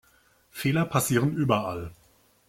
Fehler passieren überall.